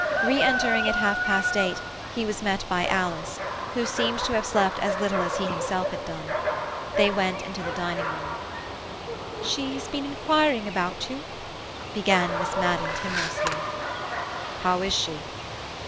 Re entering at half past eight, he was met by Alice, who seemed to have slept as little as he himself had done. They went into the dining room. "She has been inquiring about you," began Miss Madden timorously. "How is she?"